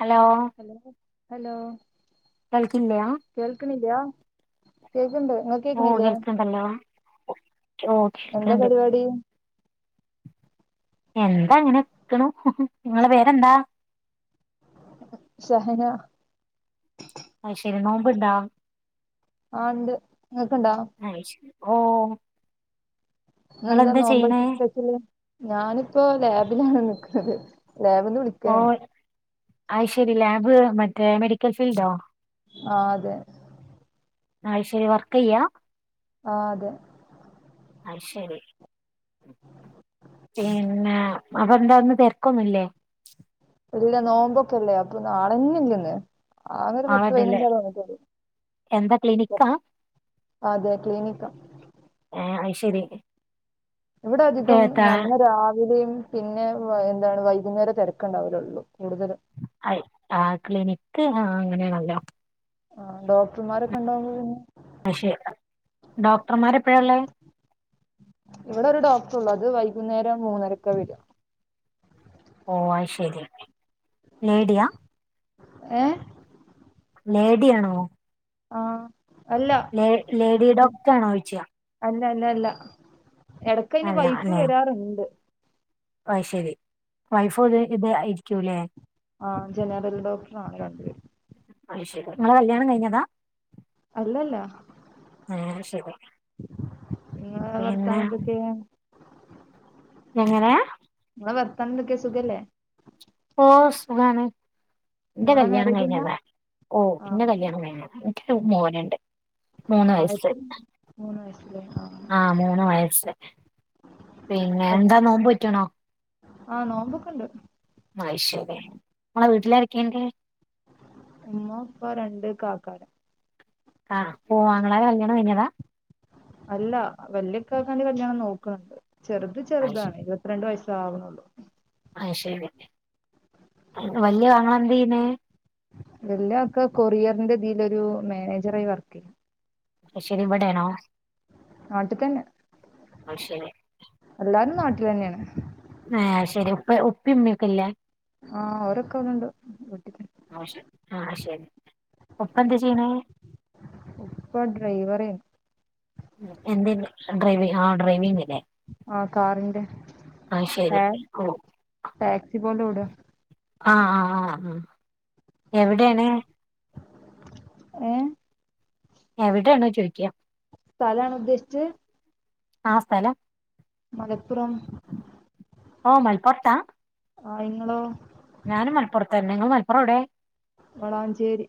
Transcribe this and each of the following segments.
Hello. Hello hello. കേൾക്കില്ല കേൾക്ക്ന്നില്ല്യ? കേക്ക്ണ്ട്. ഇങ്ങക്ക് ഓ കേക്ക്ന്നില്യേ? - കേൾക്കണ്ടല്ലോ ഓ കേക്ക്ണ്ട്. പരിപാടി എന്താ അങ്ങനെക്ക്ണു ഇങ്ങളെ പേരെന്താ? - ഷഹന. അയ് ശെരി നോമ്പ്ണ്ടാ? - ആ ഇണ്ട്. ഇങ്ങക്ക്ണ്ടാ? - ഓഹ് ഇന്ന് എന്താ നോമ്പായിട്ട് സ്പെഷ്യല്. ഞാനിപ്പോ ലാബിലാണ് നിക്കണത്. ലാബിന്ന് വിളിക്കാ ഞാന്. ഐശ്വര്യ ലാബ് മറ്റേ മെഡിക്കൽ ഫീൽഡോ? ആഹ് അതെ അയ് ശരി വർക്കെയ്യാ? ആഹ് അതെ അത് ശരി പിന്നെ അപ്പ എന്താ ഇന്ന് തെരക്കൊന്നുല്ലേ? ഇല്ല നോമ്പൊക്കെല്ലേ അപ്പൊ ആളെന്നെ ഇല്ല ഇന്ന്. ആകെ ഒരു പത്ത് ആളെന്നല്ലേ പയിനഞ്ചാളെ വന്നിട്ടൊള്ളൂ. എന്താ ക്ലിനിക്കാ [unintelligible] അതെ ക്ലിനിക്ക [unintelligible] ഇവിടെ അധികം കേട്ടാ നന്ന രാവിലെയും പിന്നെ വ എന്താണ് വൈകുന്നേരെ തെരക്ക് ഇണ്ടാവലുള്ളൂ. അയ് ആഹ് ക്ലിനിക്ക് ഹാ അങ്ങനെയാണല്ലോ. ആഹ് ഡോക്ടർമാരൊക്കെ ഇണ്ടാവുമ്പൊ പിന്നെ പക്ഷെ ഡോക്ടർമാരെപ്പഴ ഇള്ളേ? ട്ടുള്ളത് വൈകുന്നേരം മൂന്നരക്കാ വെരാ. ഓഹ് അയ് ശരി. ലേഡിയാ? ഏഹ് ലേഡിയാണോ? ആഹ് ലേ ലേഡി ഡോക്ട്ർ ആണോയ്ച്ചാ ഇതല്ലല്ല എടക്ക് അയിന് വൈഫ് വരാറിണ്ട്. അയ് ശെരി വൈഫ് [unintelligible] ഇത് ഇരിക്കൂലേ ആ ജനറൽ ഡോക്ടറാണ് രണ്ടുപേര് അയ്ശരി നിങ്ങടെ കല്യാണം കഴിഞ്ഞതാ അല്ലല്ല ആ ശരി നിങ്ങ വർത്താന പിന്നെ എന്തൊക്കെയാ എങ്ങന നിങ്ങളെ വർത്താനം എന്തൊക്കെയാ സുഖല്ലേ ഓ സുഖാണ് എന്റെ നിങ്ങളെ കല്യാണം മാരേജ് കഴിഞ്ഞാ കഴിഞ്ഞതാ ഓ ആ എന്റെ കല്യാണം കഴിഞ്ഞാ എനിക്കൊരു മോനുണ്ട് മൂന്ന് ആ വയസ് എത്ര മൂന്ന് വയസ്സല്ലേ ആ മൂന്ന് വയസ് പിന്നെ എന്താ നോമ്പോറ്റ്ണോ ആഹ് നോമ്പ്ക്കൊണ്ട് മൈഷല്ലേ നമ്മളെ വീട്ടിലരെക്കണ്ട് ഉമ്മ ഇപ്പൊ രണ്ട് കാക്കാര ആഹ് പോവാങ്ങളെ കല്യാണം കയിഞ്ഞതാ അല്ല വല്യക്കാക്കാണ്ടി കല്യാണം നോക്കണണ്ട് ചെറുത് അത് ചെറുതാണ് ഇരുപത്തിരണ്ട് വയസ് ആവണുള്ളു വല്യ ആങ്ങള എന്തയ്യുന്നേ വല്ല ഒക്കെ കൊറിയറിന്റെ തിലൊരു മാനേജറായി വർക്ക് ചെയ്യാം ശ ശരി വിടയാണോ നാട്ടി തന്നെ പക്ഷെ എല്ലാരും നാട്ടില് തന്നെയാണ് ആഹ് ശരി ഉപ്പ ഉപ്പി ഉമ്മക്കല്ലേ ആഹ് ഓരൊക്കെ അവിടെണ്ട് ആ ശരി ആ ശരി ഉപ്പ എന്താ ചെയ്യണെ ഉപ്പ ഡ്രൈവറെ എന്തിന് ഡ്രൈവി ആ ഡ്രൈവിങ് ആ കാറിന്റെ ആ ശരി ടാക് ഓ ടാക്സി പോലെ ഇവിടെ ആഹ് ആഹ് ആഹ് ആ എവിടെയാണ് ഏ ഞ എവിടെയാണോ ചോയിക്കാം സ്ഥലാണ് ഉദ്ദേശിച്ചത് ആ സ്ഥല മലപ്പുറം ഓ മലപ്പുറത്താ ആ ഇങ്ങളോ ഞാൻ മലപ്പുറത്തന്നെ നിങ്ങൾ മലപ്പുറം എവിടെ വളാഞ്ചേരി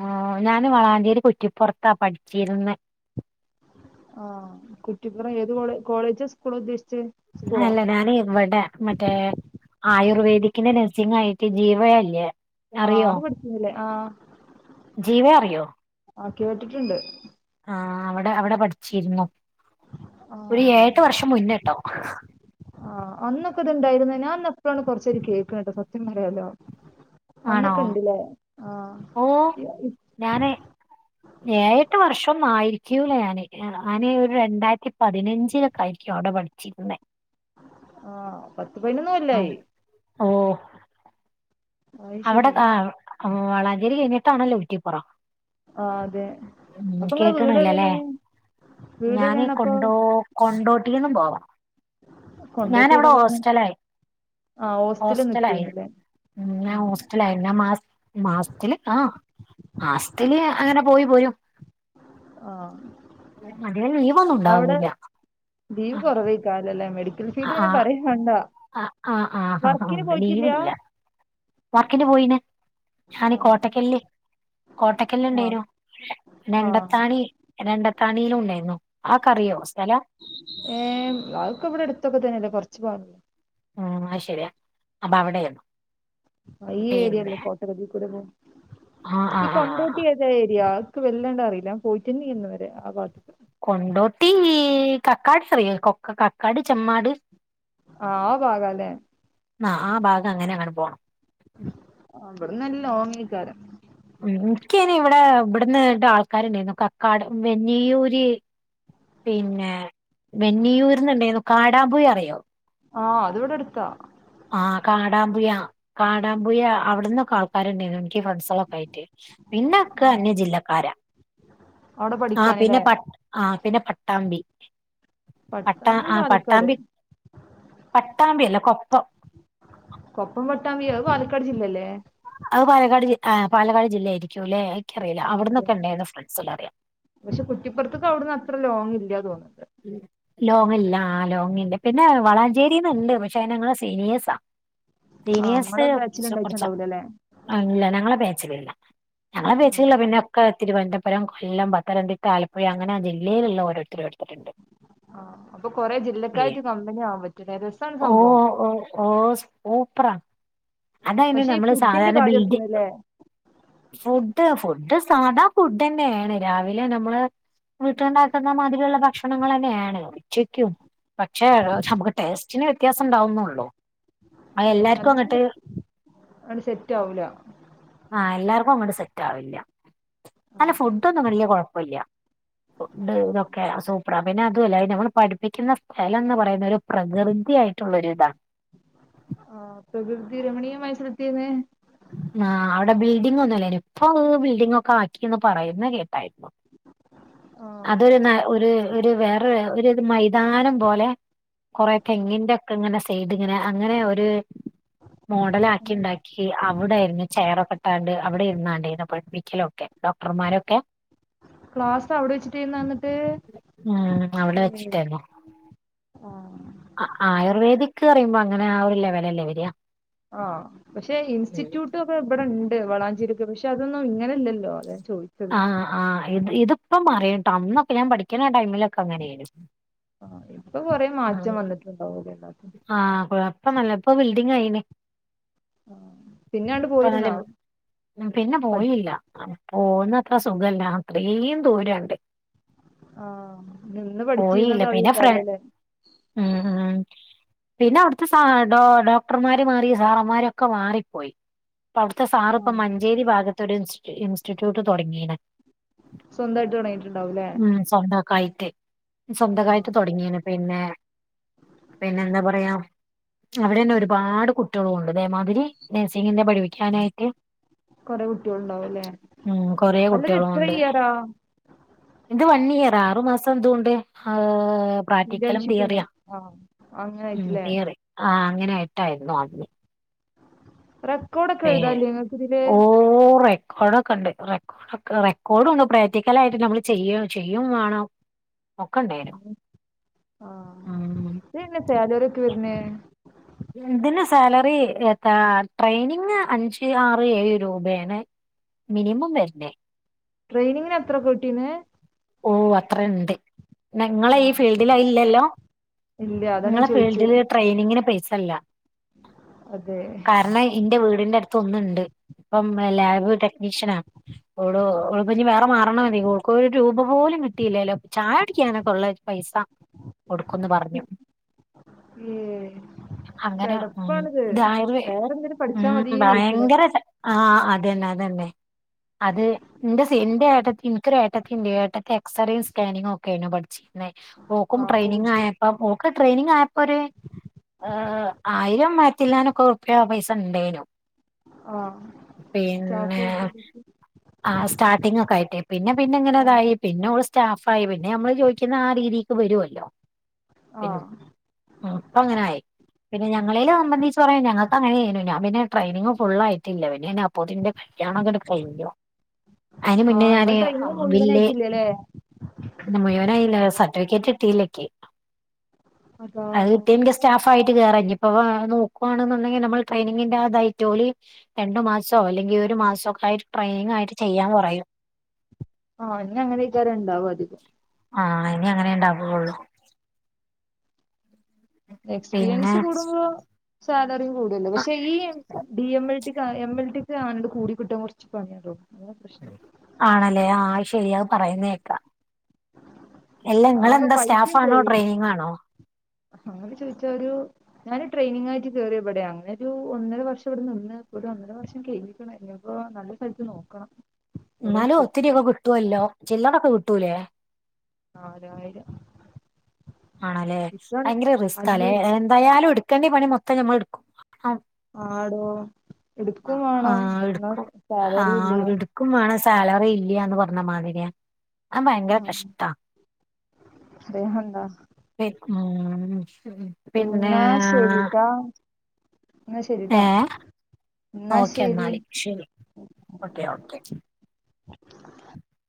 ആ ഞാന് വളാഞ്ചേരി കുറ്റിപ്പുറത്താ പഠിച്ചിരുന്നെ ആഹ് കുട്ടിപ്പ്ര എഏത് കോളേജസ് കോളേ [unintelligible] സ്കൂളോ അല്ല ഞാന് വടെ മറ്റേ ആയോ ആയുർവേദിക്കിന്റെ നഴ്സിംഗ് ആയിട്ട് ജീവയല്ല ആഹ് അത് പഠിച്ചുന്നല്ലേ ആഹ് ജീവയെ അറിയോ ആ കേട്ടിട്ടുണ്ട് ആ അവിടെ അവിടെ പഠിച്ചിരുന്നു ആ ഒരു എഴ്ഏട്ട് വർഷം മുന്നട്ടോ ആ അന്നൊക്കെ ഇത് ഇണ്ടായിരുന്ന ഞാൻ ഇപ്പോഴാണ് കൊറച്ചേര് കേൾക്കട്ടോ സത്യം പറാലോ ആണോ അന്നൊക്കെ ഇണ്ട്ല്ലേ ആ ഓ ഇ- ഇ- ഞനെ ഏഴെട്ട് വർഷം ഇപ്പം ആയിരിക്കൂല ഞാന് ആന ഒരു രണ്ടായിരത്തി പതിനഞ്ചിലൊക്കെ ആയിരിക്കും അവിടെ പഠിച്ചിരുന്നേ ആ പത്ത് പയിനൊന്നു കൊല്ലായി ആഹ് ഓഹ് അയ് അവടെ ശരി ആ വളഞ്ചേരി കയ്ഞ്ഞ്ട്ടാണല്ലോ കുറ്റിപ്പുറം. ആഹ് അതെ അപ്പൊ ഇങ്ങളെ വീട് എവടേണ് ഞാനീ കൊണ്ടോ കൊണ്ടോട്ടീന്നും പോവാ കൊണ്ടോട്ടി ഏതാ ഞാനവടെ ഭാഗം ഹോസ്റ്റലായി ആ ഹോസ്റ്റലിൽ ഹോസ്റ്റലായി നിക്കേര്ന്നല്ലേ ഉം ആ ഞാൻ ഹോസ്റ്റലായി ഞാൻ മാസ് മാസ്തില് ആഹ് മാസത്തില് അങ്ങനെ പോയി പോരും. ആഹ് അധികം ലീവ് ഒന്നും ഉണ്ടാവൂല. ലീവ് കുറവേക്കാരല്ലേ മെഡിക്കൽ അ ഫീൽഡ് പിന്നെ ആഹ് പറയും വേണ്ട ആഹ് ആഹ് ആഹ് വർക്കിന് ആ പോയിട്ടില്ല ലീവില്ല വർക്കിന് പോയീന് ആ ഞാന് കോട്ടക്കൽ ല്. കോട്ടക്കൽ ല് ആ ഇണ്ടേയ്നു ആ രണ്ടത്താണി രണ്ടത്താണിയിലും ഉണ്ടായി ഏർ അവക്ക് ഇവിടെ അടുത്തൊക്കെ തന്നെയല്ലേ കുറച്ചു പോവില്ലേ ഉ ശരിയാ അപ്പൊ അവിടെന്നു ആ ഈ ഏരിയല്ലേ കോട്ടകതി കൂടെ ആ ആ ഈ ആ കൊണ്ടോട്ടി ആ ഏതാ ഏരിയ വല്ലാണ്ട് അറിയില്ല പോയിട്ടന്നീ ഇന്ന് വരെ ഭാഗത്തു കൊണ്ടോട്ടി കക്കാട് സറിയോ കൊക്ക കക്കാട് ചെമ്മാട് ആ ആ ഭാഗാല്ലേ ആ ആ ഭാഗം അങ്ങനെ അങ്ങനെ പോണം അവിടന്നല്ല ഓങ്ങിക്കാരം എനിക്കി ഇവിടെ ഇവിടന്ന് ഇ ആൾക്കാരുണ്ടായിരുന്നു കക്കാട് വെഞ്ഞിയൂര് പിന്നെ മെന്നിയൂർന്നുണ്ടായിരുന്നു കാടമ്പുയ അറിയോ ആഹ അത് ഇവിടെ എടുത്താ ആ കാടാമ്പുയ കാടാമ്പുയ അവിടന്നൊക്കെ ആൾക്കാണ്ടായിരുന്നു എനിക്ക് ഫ്രണ്ട്സൊക്കെ ആയി പിന്നെക്കെ അന്യ ജില്ലക്കാര അവിടെ ആ പിന്നെ പഠിക്കാനില്ലേ പ ആ പിന്നെ പട്ടാമ്പി പട്ടാ പട്ടാമ്പി ആ പാലക്കാട് പട്ടാമ്പി പട്ടാമ്പി അല്ല കൊപ്പം കൊപ്പം വട്ടാമ്പിയ പാലക്കാട് ജില്ലല്ലേ അത് പാലക്കാട് ജ പാലക്കാട് ജില്ലയായിരിക്കും അല്ലെ എനിക്കറിയില്ല ആ അതെ അവിടന്നൊക്കെ ഉണ്ടായിരുന്നു ഫ്രണ്ട്സ് എല്ലാം അറിയാം പക്ഷെ കുട്ടിപ്പുറത്തേക്ക് അവിടന്ന് അത്ര ലോങ്ങ് ഇല്ലന്നു തോന്നത് ലോങ്ങല്ല ആ ലോങ്ങല്ല പിന്നെ വളാഞ്ചേരിന്നുണ്ട് പക്ഷെ അത് ഞങ്ങള സീനിയേഴ്സാ ആഹ് സീനിയേഴസ് ഇങ്ങളെ കുറച്ച ബാച്ചിലുണ്ടായിട്ടുണ്ടാവൂലല്ലേ ഇല്ല ഞങ്ങളെ ബാച്ചിലല്ല ഞങ്ങളെ ആഹ് ബാച്ചിലൊള്ള പിന്നെ ഒക്കെ തിരുവനന്തപുരം കൊല്ലം പത്തനംതിട്ട ആലപ്പുഴ അങ്ങനെ ആ ജില്ലയിലുള്ള ഓരോരുത്തരു ആഹ അപ്പൊ കൊറെേ പി ജില്ലകയായിട്ടു കമ്പനി ആവാൻ പറ്റുല്ലെ രസമാണ് ഓ സംഭവം ഓ ഓ സൂപ്പറാ അതായിന് പക്ഷെ ഈ നമ്മള് ഫുഡിന്റെ സാധാരണ ബിൽഡി കാര്യൊക്കെയാണല്ലേ ഫുഡ് ഫു് ഫുഡ്‌ സാധാ ഫുഡ് തന്നെയാണ് രാവിലെ നമ്മള് വീട്ടുണ്ടാക്കുന്ന മാതിരിയുള്ള ഭക്ഷണങ്ങൾ തന്നെയാണ് ഉച്ചയ്ക്കും പക്ഷേ നമുക്ക് ടെസ്റ്റിന് വ്യത്യാസം ഉണ്ടാവുന്നുള്ളോ അ എല്ലാർക്കും അങ്ങട്ട് അങ്ങ് സെറ്റ് ആവില്ല ആ എല്ലാർക്കും അങ്ങോട്ട് സെറ്റ് ആവില്ല അല്ല ഫുഡൊന്നും വലിയ കുഴപ്പില്ല ഫുഡ് ആഹ് ഇതൊക്കെ സപ്പ അ പിന്നെ അതും അല്ല നമ്മൾ പഠിപ്പിക്കുന്ന സ്ഥലം എന്ന് പറയുന്ന ഒരു പ്രകൃതി ആയിട്ടുള്ളൊ ഒരു ഇതാ ആ പ്രകൃതി രമണീയമായിസലത്തിന്നെ ആ അവിടെ ബിൽഡിങ് ഒന്നുംല്ലേനി ഇപ്പൊ ബിൽഡിംഗ്‌ ഒക്കെ ആക്കിന്ന് പറയുന്ന കേട്ട ആ അതൊരു ന ഒരു ഒരു വേറെ ഒരു മൈതാനം പോലെ കൊറ തെങ്ങിന്റെ ഒക്കെ ഇങ്ങനെ സൈഡ് അങ്ങനെ അങ്ങനെ ഒരു മോഡല ആക്കി ഉണ്ടാക്കി അവിടൊയിരുന്നു ചെയർ കെട്ടാണ്ട് അവിടെ ഇരുന്നണ്ടരുന്നു പിക്കലൊക്കെ ഡോക്ടർമാരൊക്കെ ക്ലാസ് അവിടെ വെച്ചിട്ടേന്ന് എന്നിട്ട് ഉ അവിടെ ഏഹ് വെച്ചിട്ടായിരുന്നു ആഹ് ആ ആയുർവേദിക് പറയുമ്പോ അങ്ങനെ ആ ഒരു ലെവലല്ലേ വരിക ആ പക്ഷെ ഇൻസ്റ്റിറ്റ്യൂട്ട് ഒക്കെ ഇവിടെ ഇണ്ട് വളാഞ്ചേരിക്ക് പക്ഷെ അതൊന്നും ഇങ്ങനല്ലല്ലോ അതാ ഞാൻ ചോദിച്ചത് ആഹ് ആഹ് ഇത് ഇതിപ്പം അറിയാം കേട്ടോ അന്നൊക്കെ ഞാൻ പഠിക്കുന്ന ടൈമിലൊക്കെ അങ്ങനെയായിരുന്നു മാറി ആഹ് കുഴപ്പമില്ല ഇപ്പോ ബിൽഡിങ് ആയിന് ആ പിന്നെ അങ്ങട് ഇപ്പ നല്ല പോയിരുന്നാ പിന്നെ പോയില്ല പോകുന്ന അത്ര സുഖല്ല അത്രയും ദൂരമുണ്ട് ആഹ് നിന്ന് പോയില്ല പഠിച്ചിരുന്നത് പിന്നെ ഫ്ര ഉം [unintelligible] ഉം പിന്നെ അവിടുത്തെ സ ഡോ ഡോക്ടർമാര് മാറി സാറന്മാരൊക്കെ മാറിപ്പോയി അവിടുത്തെ സാറ് ഇപ്പൊ ആഹ് മഞ്ചേരി ഭാഗത്ത് ഒരു ഇൻസ്റ്റി ഇൻസ്റ്റിറ്റ്യൂട്ട് തുടങ്ങിയീണ് സ്വന്തായിട്ട് തുടങ്ങിയിട്ടുണ്ടാവുംല്ലേ മ്മ് സ്വന്തൊക്കെയായിട്ട് ആഹ് സ്വന്തൊക്കെയായിട്ട് തുടങ്ങിയിന് പിന്നെ പിന്നെ എന്താ പറയ അവിടെ തന്നെ ഒരുപാട് കുട്ടികളും ഉണ്ട് അതെമാതിരി നഴ്സിങ്ങിന്റെ പഠിക്കാനായിട്ട് കൊറെ കുട്ടികള്ണ്ടാവും അല്ലേ ഉം അല്ലത് എത്ര ഇയറാ എന്റെ വൺ ഇയർ ആറു മാസം ഇതുമുണ്ട് ആഹ്ഹ് പ്രക് ക്കലും ഇന്റേൺഷിപ്പ് ഉണ്ടോ തീയറിയാ ആഹ് അങ്ങനെ മ്മ് ആയിട്ടില്ലേ തിയറി ആഹ് അങ്ങനെയിട്ടായിരുന്നു ആദ്യം റെക്കോർഡ് ഒക്കെ എഴുതാനില്ലേ നിങ്ങക്ക് ഇതില് റെക്കോർഡ് ഒക്കെ ഉണ്ട് റെക്കോ റെക്കോർഡ്ണ്ട് പ്രേക്ടിക്കലായിട്ട് നമ്മള് ചെയ്യ ചെയ്യും വേണം ഒക്കെ ഉണ്ടായിനു ആഹ് സാലറി ഒക്കെ വരുന്നേ ഇതിന് സാലറി ഏഹ് ട്രെയിനിങ് അഞ്ച് ആറ് ഏഴ് രൂപയാണ് മിനിമം വരുന്നെ ട്രെയിനിങ്ങിന് എത്ര കിട്ടീന്ന് ഓഹ് അത്രേം ഉണ്ട് നിങ്ങളെ ഈ ആഹ് ഫീൽഡിൽ അത് ഇല്ലല്ലോ ഇല്ല അതാണ് ഞാൻ നിങ്ങളെ ചോദിച്ചേ ഫീൽഡില് ട്രെയിനിങ്ങിന് പൈസ ഇല്ല അതെ കാരണം എന്റെ വീടിന്റെ അടുത്ത് ഒന്നുണ്ട് ഇപ്പം ലാബ് ടെക്നീഷ്യനാ ഓള് ഓള് ഇപ്പം ഇനി വേറെ മാറണം മതി ഓള്ക്ക് ഒരു രൂപ പോലും കിട്ടിയില്ലല്ലോ ചായ കുടിക്കാനൊക്കെ ഉള്ള പൈസ കൊടുക്കുംന്ന് പറഞ്ഞു മ്മ് അങ്ങനെ മ്മ് ഇതായുർവേദ വേറെന്തേലും പഠിച്ചാ മ്മ് മതീന്ന് വെയ്ക്കണ് ഭയങ്കര ആ അതന്നെ അതന്നെ അത് എന്റെ ഏട്ടത്തി എനിക്കൊരു ഏ ഏട്ടത്തി എക്സ്റേയും സ്കാനിംഗും ഒക്കെയാണ് പഠിച്ചിരിക്കുന്നത് ഓല്ക്കും ആഹ് ട്രെയിനിംഗ് ഊട്ടി ആയപ്പോൾ ഓക്ക് ട്രെയിനിങ് ആയപ്പോ ഒരു ആയിരം ആയിരത്തില്വാനം ഉറുപ്യ പൈസ ഉണ്ടേനു ആഹ് സ്റ്റാഫ് പിന്നെ ആയിട്ട് ആ സ്റ്റാർട്ടിംഗൊക്കെ ആയിട്ടേ പിന്നെ പിന്നെ ഇങ്ങനെ ആഹ് അതായി പിന്നെ ഇങ്ങനെ സ്റ്റാഫ് ആയി പിന്നെ നമ്മള് ചോദിക്കുന്ന ആ രീതിക്ക് വരുവല്ലോ പിന്നെ ആഹ് ഇപ്പ അങ്ങനെയായി പിന്നെ ഞങ്ങളെല് സംബന്ധിച്ച് പറ ഞങ്ങ അങ്ങനെ ഞാൻ പിന്നെ ട്രെയിനിങ് ഫുൾ ആയിട്ടില്ല പിന്നെ ഞാൻ അപ്പോതിന്റെ കല്യാണം അങ്ങട് കഴിഞ്ഞു അതിന് മുന്നേ ആഹ് ഞാന് ഇങ്ങള് ട്രെയിനിങ് വില്ലേ മുഴുവനായിട്ടില്ലല്ലേ പിന്നെ മുയോനായില്ല സെർട്ടിഫിക്കേറ്റ് കിട്ടീല നികി അതാ അത് കിട്ടിയാൽ നിക്ക് സ്റ്റാഫ് ആയിട്ട് കയറാം ഇനി ഇപ്പ നോക്കുവാണുന്നുണ്ടെങ്കിൽ നമ്മൾ ട്രെയിനിങ്ങിന്റെ അതായിട്ടോല് രണ്ടു മാസോ അല്ലങ്കിൽ ഒരു മാസമൊക്കെ ആയിട്ട് ട്രെയിനിങ് ആയിട്ട് ചെയ്യാൻ പറയും ആഹ് ഇന്ന് അങ്ങനെ മിക്കവാറും ഉണ്ടാവും അധികം ആഹ് ഇനി അങ്ങനെയെ ഇണ്ടാവുള്ളു പിന്നെ എക്സ്പീരിയൻസ് കൂടുമ്പോ സാലറിയും കൂടുമല്ലേ പക്ഷെ ഈ D M L T M L ടിക്ക് അങ്ങോട് കൂടിക്കിട്ടാൻ കുറച്ച് പണിയാ തോന്നുന്നു ആണല്ലേ ആ ശരിയ അത് പറയുന്ന കേക്ക അല്ല ആകെ നിങ്ങളെന്താ പൈസയും സ്റ്റാഫാണോ പോയി ട്രെയിനിംഗ് ആണോ അങ്ങനെ ചോദിച്ചാ ഒരു ഞാനൊരു ട്രെയിനിങ് ആയിട്ട് കേയറിയത് ഇവിടെയാണ് അങ്ങനെ ഒരു ഒന്നര വർഷം ഇവിടെ നിന്ന് ഒരു ഒന്നര വർഷം കഴ്ഞ്ഞീക്കണെ ഇനീപ്പോ നല്ല സ്ഥലത്ത് നോക്കണം എവിടെ ന്നാലും കിട്ടും ഒത്തിരിയൊക്കെ കിട്ടുവല്ലോ ചില്ലറൊക്കെ കിട്ടൂലേ ആയിരആയിരം ആണല്ലെ ഭയങ്കര റിസ്കാല്ലേ എന്തായാലും എടുക്കേണ്ടി പണി മൊത്തം ഞമ്മൾ എടുക്കും ആടോ ആ എടുക്കും ആ വേണം എന്നാ എടുക്കും ആ സാലറി ഇല്ല എടുക്കും വേണ സ് സാലറി ഇല്ല്യാന്ന് പറഞ്ഞ മാതിരിയാ ആ ഭയങ്കര ആഹ് കഷ്ടാ പറയാനുണ്ടോ ഊഉം എന്നാ ശെരിട്ടാ എന്നാ ശെരിട്ടാ ഏ ഓക്കെ എന്നാല് ശെരി ഓക്കെ ഓക്കെ [inaudible]